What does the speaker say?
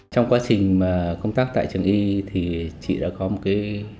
trong quá trình mà công tác tại trường y thì chị đã có một cái